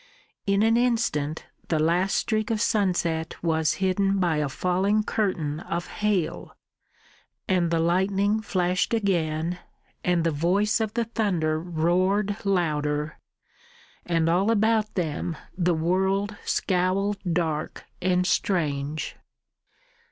In an instant the last streak of sunset was hidden by a falling curtain of hail, and the lightning flashed again, and the voice of the thunder roared louder, and all about them the world scowled dark and strange.